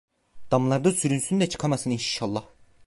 Damlarda sürünsün de çıkamasın inşallah…